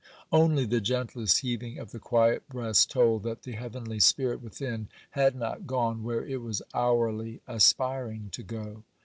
Only the gentlest heaving of the quiet breast told that the heavenly spirit within had not gone where it was hourly aspiring to go.